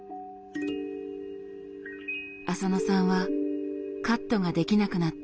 浅野さんはカットができなくなった